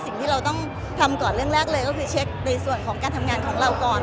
สิ่งที่เราต้องทำก่อนเรื่องแรกเลยก็คือเช็คในส่วนของการทำงานของเราก่อน